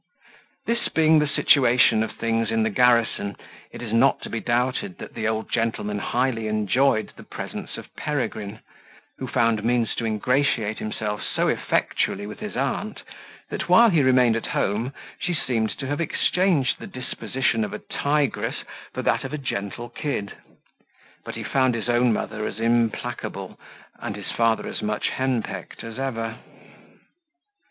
This being the situation of things in the garrison, it is not to be doubted that the old gentleman highly enjoyed the presence of Peregrine, who found means to ingratiate himself so effectually with his aunt, that while he remained at home, she seemed to have exchanged the disposition of a tigress for that of a gentle kid; but he found his own mother as implacable, and his father as much henpecked, as ever.